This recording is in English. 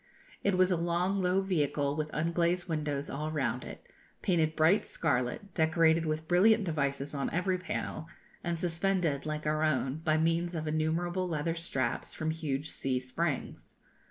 It was a long low vehicle, with unglazed windows all round it, painted bright scarlet decorated with brilliant devices on every panel, and suspended, like our own, by means of innumerable leather straps, from huge C springs.